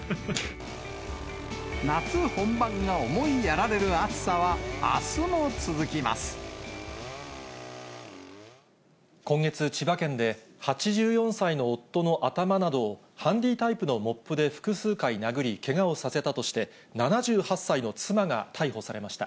夏本番が思いやられる暑さは、今月、千葉県で、８４歳の夫の頭などをハンディタイプのモップで複数回殴り、けがをさせたとして、７８歳の妻が逮捕されました。